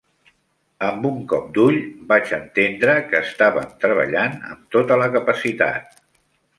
Amb un cop d'ull vaig entendre que estàvem treballant amb tota la capacitat.